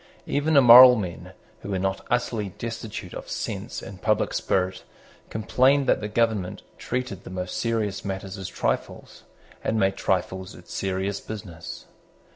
Even immoral men, who were not utterly destitute of sense and public spirit, complained that the government treated the most serious matters as trifles, and made trifles its serious business.